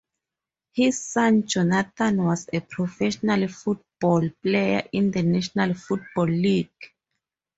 His son Jonathan was a professional football player in the National Football League.